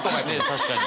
確かに。